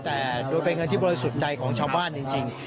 แต่โดยเป็นเงินที่บริสุทธิ์ใจของชาวบ้านจริง